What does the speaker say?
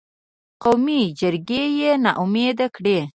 قومي جرګې یې نا امیده کړې.